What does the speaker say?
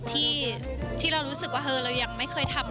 ที่เรารู้สึกว่าเรายังไม่เคยทำ